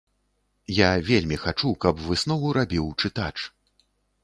Я вельмі хачу, каб выснову рабіў чытач.